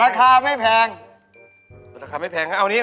เอาไปเลยกินเองก็ได้